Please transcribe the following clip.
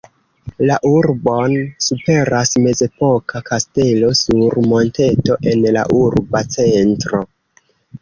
La urbon superas mezepoka kastelo sur monteto en la urba centro.